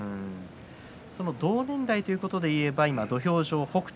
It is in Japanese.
同年代ということでいえば北勝